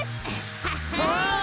はっはい！